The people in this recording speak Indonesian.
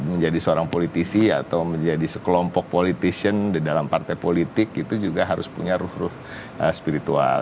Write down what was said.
menjadi seorang politisi atau menjadi sekelompok politician di dalam partai politik itu juga harus punya ruh ruh spiritual